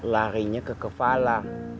larinya ke kepala